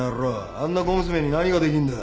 あんな小娘に何ができんだ。